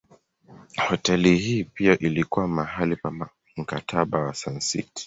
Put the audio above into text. Hoteli hii pia ilikuwa mahali pa Mkataba wa Sun City.